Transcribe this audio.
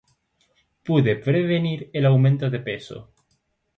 puede prevenir el aumento de peso